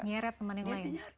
nyari teman yang lain